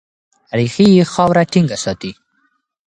ریښې یې خاوره ټینګه ساتي.